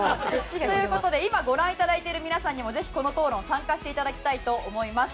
今、ご覧いただいている皆さんにもぜひこの討論に参加していただきたいと思います。